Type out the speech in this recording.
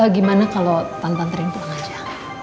gimana kalau tante rindukan aja